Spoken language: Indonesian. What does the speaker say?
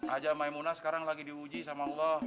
aja maimunah sekarang lagi diuji sama allah